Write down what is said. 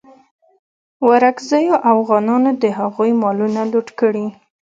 ورکزیو اوغانانو د هغوی مالونه لوټ کړي.